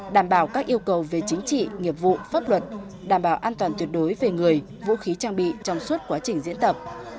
đảm bảo các yêu cầu về chính trị nghiệp vụ pháp luật đảm bảo an toàn tuyệt đối về người vũ khí trang bị trong suốt quá trình diễn tập